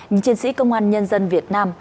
những chiến sĩ công an nhân dân việt nam